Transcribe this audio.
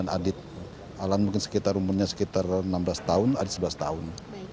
aldit alan mungkin sekitar umurnya sekitar enam belas tahun adit sebelas tahun